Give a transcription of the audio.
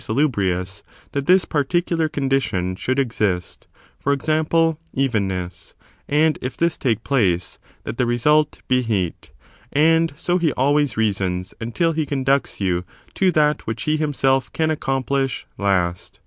salubrious, that this particular condition should exist; for example, evenness, and, if this take place, that the result be heat. And so he always reasons, until he conducts you to that which he himself can accomplish last.